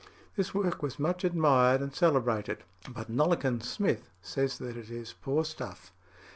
This work was much admired and celebrated, but "Nollekens" Smith says that it is poor stuff.